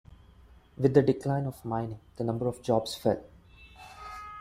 With the decline of mining, the number of jobs fell.